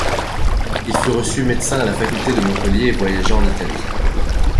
Il fut reçu médecin à la faculté de Montpellier et voyagea en Italie.